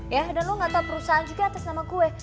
ya dan lo gak tau perusahaan juga atas nama gue